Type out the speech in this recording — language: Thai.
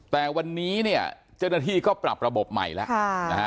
แต่วันนี้เนี่ยเจ้าหน้าที่ก็ปรับระบบใหม่แล้วนะฮะ